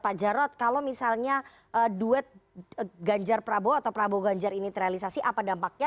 pak jarod kalau misalnya duet ganjar prabowo atau prabowo ganjar ini terrealisasi apa dampaknya